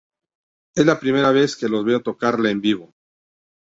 Es la primera vez que los veo tocarla en vivo.